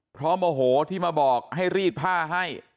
เพราะโมโหที่มาบอกให้รีดผ้าให้